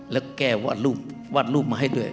แล้วแก้วาดรูปวาดรูปมาให้ด้วย